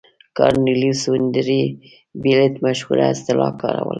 کارنلیوس وینډربیلټ مشهوره اصطلاح کاروله.